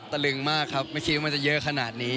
ตลึงมากครับไม่คิดว่ามันจะเยอะขนาดนี้